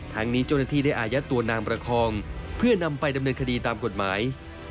ทั้งนี้เจ้าหน้าที่ได้อายัดตัวนางประคองเพื่อนำไปดำเนินคดีตามกฎหมาย